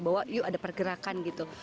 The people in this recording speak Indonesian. bahwa yuk ada pergerakan gitu